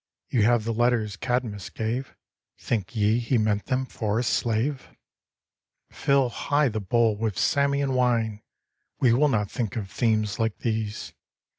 You have the letters Cadmus gave — Think ye he meant them for a slave ? Fill high the bowl with Samian wine ! We will not think of themes like these!